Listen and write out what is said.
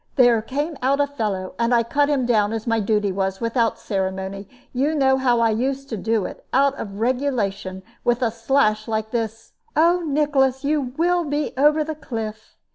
There came out a fellow, and I cut him down, as my duty was, without ceremony. You know how I used to do it, out of regulation, with a slash like this " "Oh, Nicholas, you will be over the cliff!